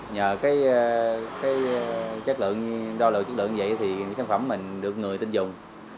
nhờ đo lượng chất lượng như vậy sản phẩm mình được người tin dùng